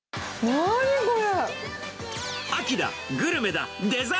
何これ！